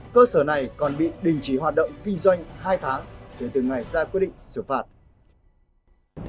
cơ sở này còn bị đình chỉ hoạt động kinh doanh hai tháng kể từ ngày ra quyết định xử phạt